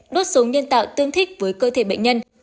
đốt số nhân tạo tương thích với cơ thể bệnh nhân